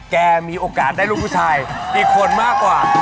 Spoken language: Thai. มีโอกาสได้ลูกผู้ชายอีกคนมากกว่า